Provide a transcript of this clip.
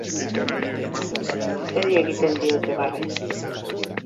Zeri egiten diote barre?